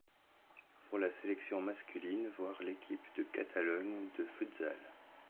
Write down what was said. Pour la sélection masculine, voir l'Équipe de Catalogne de futsal.